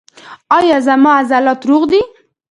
ایا زما عضلات روغ دي؟